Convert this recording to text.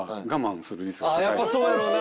あやっぱそうやろうな。